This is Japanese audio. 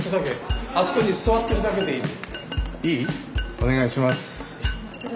お願いします。